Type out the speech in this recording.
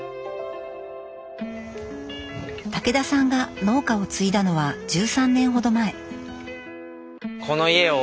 武田さんが農家を継いだのは１３年ほど前。